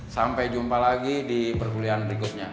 sampai jumpa lagi di perkulian berikutnya